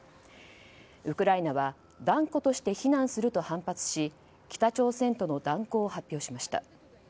ウクライナは断固として非難すると反発し北朝鮮との断交を発表しました。